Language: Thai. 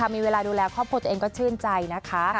มีเวลาดูแลข้อพต์เองชื่นใจนะคะ